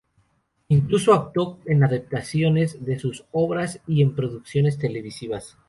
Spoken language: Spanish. Incluso actúo en adaptaciones de sus obras y en producciones televisivas.